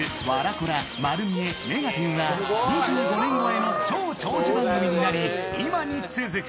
コラ、まる見え、目がテン！が２５年超えの超長寿番組になり、今に続く。